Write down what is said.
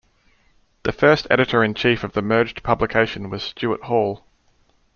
The first editor-in-chief of the merged publication was Stuart Hall.